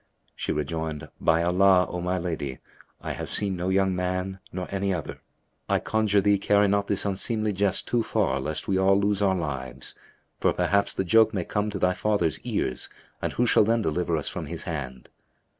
She rejoined "By Allah, O my lady, I have seen no young man nor any other. I conjure thee, carry not this unseemly jest too far lest we all lose our lives; for perhaps the joke may come to thy father's ears and who shall then deliver us from his hand?"